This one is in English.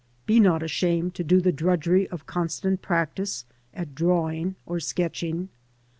Be not ashamed to do the drudgery of constant practice at drawing or sketching.